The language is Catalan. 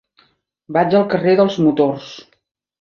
Vaig al carrer dels Motors.